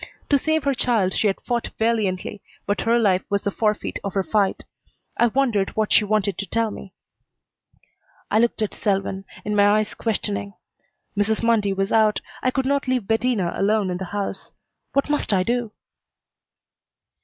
To save her child she had fought valiantly, but her life was the forfeit of her fight. I wondered what she wanted to tell me. I looked at Selwyn, in my eyes questioning. Mrs. Mundy was out. I could not leave Bettina alone in the house. What must I do?